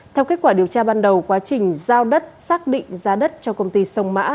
theo kết quả điều tra ban đầu quá trình giao đất xác định giá đất cho công ty sông mã